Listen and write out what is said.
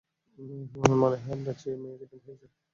মনে হয় আপনার মেয়ে কিডন্যাপ হয়েছে।